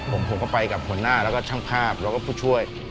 ผมก็ไปกับหัวหน้าแล้วก็ช่างภาพแล้วก็ผู้ช่วย